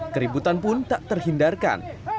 keributan pun tak terhindarkan